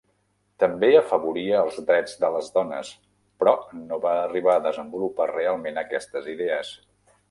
També afavoria els drets de les dones, però no va arribar a desenvolupar realment aquestes idees.